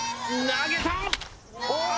投げた！